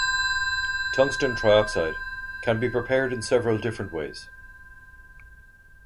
Tungsten trioxide can be prepared in several different ways.